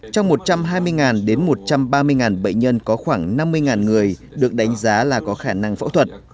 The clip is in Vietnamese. trong một trăm hai mươi đến một trăm ba mươi bệnh nhân có khoảng năm mươi người được đánh giá là có khả năng phẫu thuật